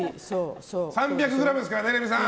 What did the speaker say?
３００ｇですからね、レミさん。